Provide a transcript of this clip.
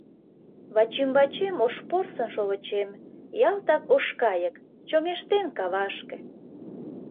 Вачӱмбачем ош порсын шовычем, ялтак ош кайык, чоҥештен кавашке!